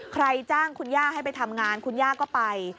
ใครจ้างคุณย่าให้ไปทำงานคุณย่าก็ไป